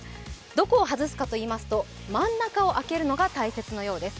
どこを外すかといいますと真ん中を開けるのが大切なようです。